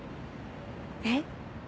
えっ？